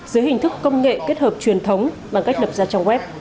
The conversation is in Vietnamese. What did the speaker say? dưới hình thức công nghệ kết hợp truyền thống bằng cách đập ra trong web